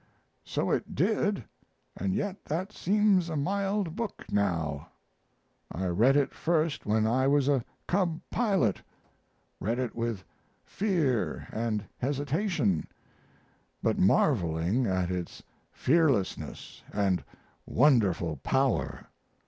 "So it did, and yet that seems a mild book now. I read it first when I was a cub pilot, read it with fear and hesitation, but marveling at its fearlessness and wonderful power.